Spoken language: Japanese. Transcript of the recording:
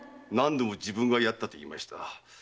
何度も「自分がやった」と言いました。